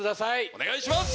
お願いします！